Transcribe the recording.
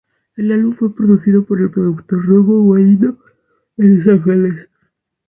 El álbum fue producido por el productor Rocco Guarino en Los Ángeles.